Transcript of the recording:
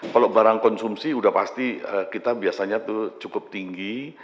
kalau barang konsumsi sudah pasti kita biasanya tuh cukup tinggi